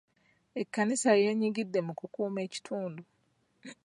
Ekkanisa y'enyigidde mu kukuuma ekitundu.